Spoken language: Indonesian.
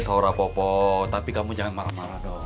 seorang popo tapi kamu jangan marah marah dong